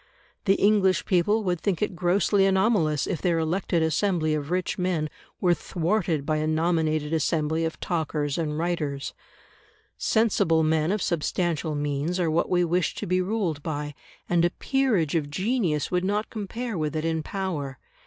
The English people would think it grossly anomalous if their elected assembly of rich men were thwarted by a nominated assembly of talkers and writers. Sensible men of substantial means are what we wish to be ruled by, and a peerage of genius would not compare with it in power.